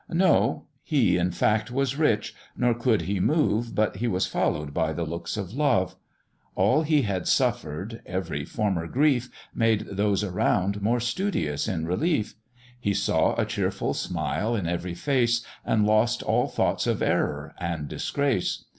No, he in fact was rich! nor could he move, But he was follow'd by the looks of love; All he had suffer'd, every former grief, Made those around more studious in relief; He saw a cheerful smile in every face, And lost all thoughts of error and disgrace.